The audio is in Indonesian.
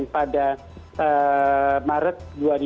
pada maret dua ribu dua puluh